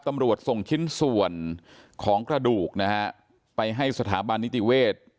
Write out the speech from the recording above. ตำรวจส่งชิ้นส่วนของกระดูกนะฮะไปให้สถาบันนิติเวศ